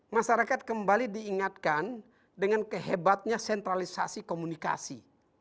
masyarakat kembali diingatkan dengan kehebatnya sentralisasi komunikasi